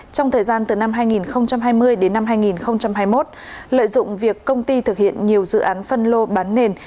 trong thời gian từ năm hai nghìn hai mươi đến năm hai nghìn hai mươi một lợi dụng việc công ty thực hiện nhiều dự án phân lô bán nền